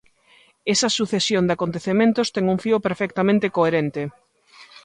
Esa sucesión de acontecementos ten un fío perfectamente coherente.